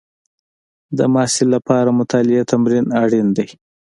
د محصل لپاره مطالعې تمرین اړین دی.